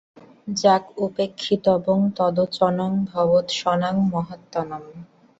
যাক, উপেক্ষিতব্যং তদ্বচনং ভবৎসদৃশানাং মহাত্মনাম্।